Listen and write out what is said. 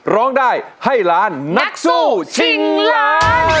ร้องได้ให้ล้านนักสู้ชิงล้าน